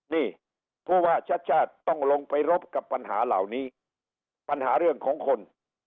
นี่ผู้ว่าชัดชาติต้องลงไปรบกับปัญหาเหล่านี้ปัญหาเรื่องของคน